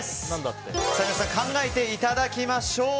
考えていただきましょう。